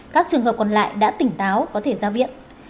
các trường hợp còn lại đã tỉnh táo có thể ra viện